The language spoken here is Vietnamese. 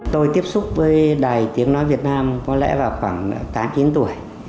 tôi tiếp xúc với đài tiếng nói việt nam có lẽ vào khoảng tám chín tuổi